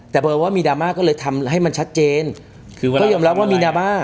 แต่เบอร์ว่ามีดราม่าก็เลยทำให้มันชัดเจนคือว่าก็ยอมรับว่ามีดราม่า